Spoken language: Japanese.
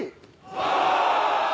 お！